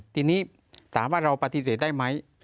ทีนี้ถามว่าเราปฏิเสธได้ไหม